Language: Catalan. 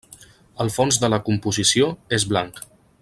El fons de la composició és blanc.